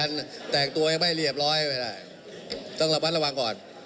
ในอิสาบัด